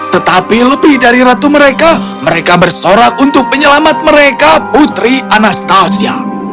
tetapi lebih dari ratu mereka mereka bersorak untuk penyelamat mereka putri anastasia